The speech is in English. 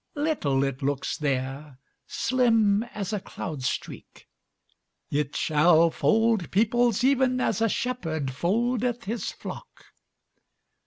Little it looks there, Slim as a cloud streak; It shall fold peoplesEven as a shepherdFoldeth his flock.